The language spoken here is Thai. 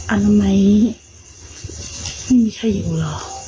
อนามัยไม่มีใครอยู่เหรอ